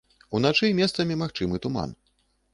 Уначы месцамі магчымы туман.